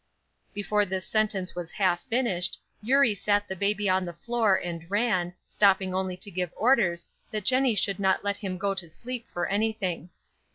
Before this sentence was half finished, Eurie sat the baby on the floor and ran, stopping only to give orders that Jennie should not let him go to sleep for anything.